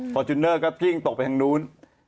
จูเนอร์ก็กิ้งตกไปทางนู้น